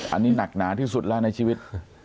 อันนี้หนักหนาที่สุดแล้วในชีวิต